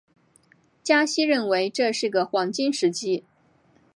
加西认为这是个黄金时机。